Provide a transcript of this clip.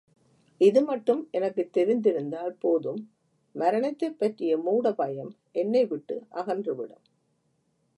இது மட்டும் எனக்குத் தெரிந்திருந்தால் போதும் மரணத்தைப் பற்றிய மூட பயம் என்னை விட்டு அகன்று விடும்.